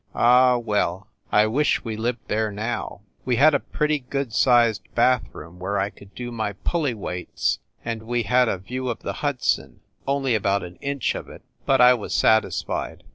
Ah, well ! I wish we lived there now ! We had a pretty good sized bath room where I could do my pulley weights, and we had a view of the Hudson only about one inch of it, but I was satisfied.